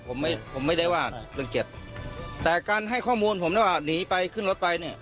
ผมไม่ได้ว่าเกลียดแต่การให้ข้อมูลผมนี่ว่าหนีไปขึ้นรถไปนี่